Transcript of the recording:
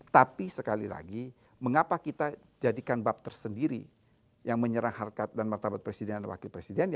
tapi sekali lagi mengapa kita jadikan bab tersendiri yang menyerang harkat dan martabat presiden dan wakil presiden